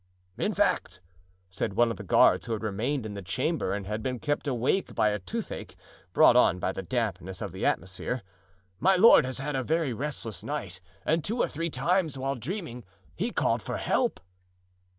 "In fact," said one of the guards who had remained in the chamber and had been kept awake by a toothache, brought on by the dampness of the atmosphere, "my lord has had a very restless night and two or three times, while dreaming, he called for help."